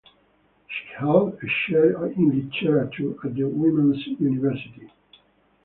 She held a Chair in Literature at the Women's University.